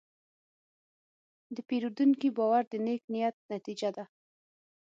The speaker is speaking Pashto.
د پیرودونکي باور د نیک نیت نتیجه ده.